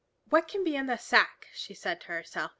"What can be in the sack?" she said to herself.